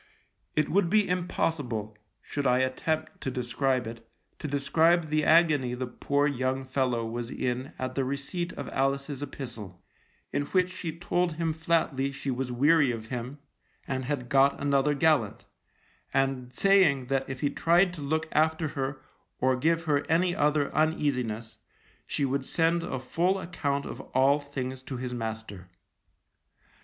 It would be impossible, should I attempt to describe it, to describe the agony the poor young fellow was in at the receipt of Alice's epistle, in which she told him flatly she was weary of him and had got another gallant; and saying that if he tried to look after her or give her any other uneasiness, she would send a full account of all things to his master.